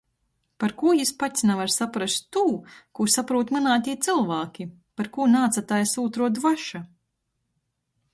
Parkū jis pats navar saprast tū, kū saprūt mynātī cylvāki? Parkū naatsataisa ūtruo dvaša?